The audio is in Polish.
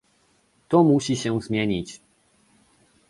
To musi się zmienić